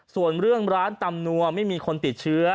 ส่วนเรื่องร้านตำนัวไม่มีคนติดเชื้อ